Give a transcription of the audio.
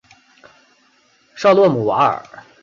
绍洛姆瓦尔。